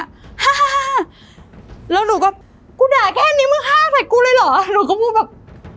ฮ่าแล้วหนูก็กูด่าแค่นี้มึงฆ่าใส่กูเลยเหรอหนูก็พูดแบบ